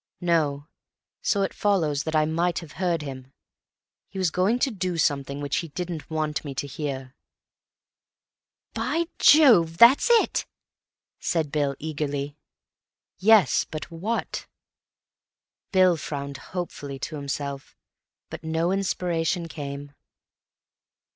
"No. So it follows that I might have heard him. He was going to do something which he didn't want me to hear." "By Jove, that's it!" said Bill eagerly. "Yes; but what?" Bill frowned hopefully to himself, but no inspiration came.